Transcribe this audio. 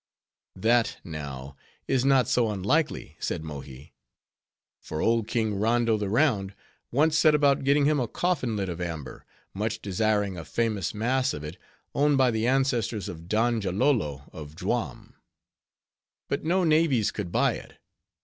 "That, now, is not so unlikely," said Mohi; "for old King Rondo the Round once set about getting him a coffin lid of amber; much desiring a famous mass of it owned by the ancestors of Donjalolo of Juam. But no navies could buy it.